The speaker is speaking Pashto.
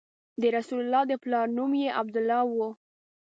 د رسول الله د پلار نوم یې عبدالله و.